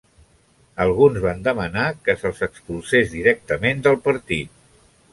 Alguns van demanar que se'ls expulsés directament del partit.